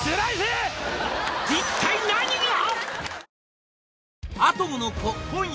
「一体何が？」